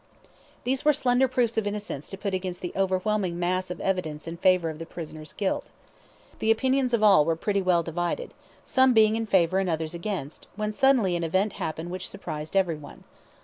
These were slender proofs of innocence to put against the overwhelming mass of evidence in favour of the prisoner's guilt. The opinions of all were pretty well divided, some being in favour and others against, when suddenly an event happened which surprised everyone.